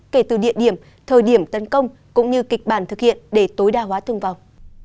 kể từ địa điểm thời điểm tấn công cũng như kịch bản thực hiện để tối đa hóa thương vọng